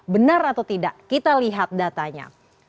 benar atau tidak kita lihat datanya